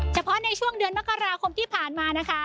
เฉพาะในช่วงเดือนมกราคมที่ผ่านมานะคะ